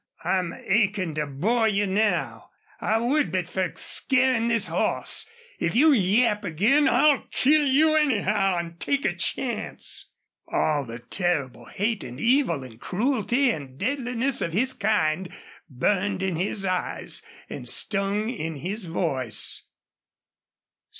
I'm achin' to bore you now. I would but fer scarin' this hoss. If you yap again I'll KILL YOU, anyhow, an' take a chance!" All the terrible hate and evil and cruelty and deadliness of his kind burned in his eyes and stung in his voice.